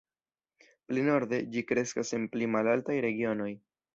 Pli norde, ĝi kreskas en pli malaltaj regionoj.